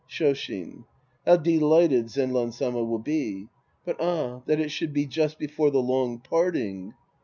Shoshin. How delighted Zenran Sama will be! But, ah, that it should be just before the long parting